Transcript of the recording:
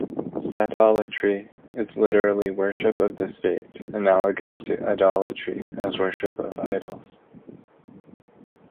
Statolatry is literally worship of the State analogous to "idolatry" as worship of idols.